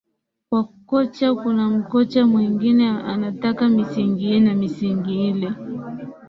kwa kocha kuna mkocha mwengine anataka misingi hii na misingi ile